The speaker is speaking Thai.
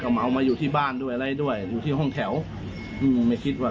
เหมามาอยู่ที่บ้านด้วยอะไรด้วยอยู่ที่ห้องแถวอืมไม่คิดว่า